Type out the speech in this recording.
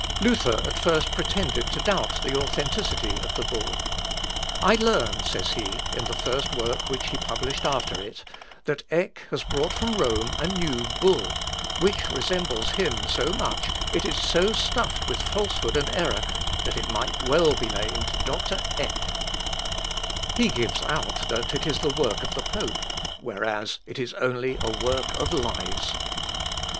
Luther at first pretended to doubt the authenticity of the bull. "I learn," says he in the first work which he published after it, "that Eck has brought from Rome a new bull, which resembles him so much, is so stuffed with falsehood and error, that it might well be named Doctor Eck. He gives out that it is the work of the pope, whereas it is only a work of lies."